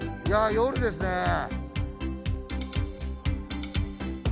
いや夜ですね。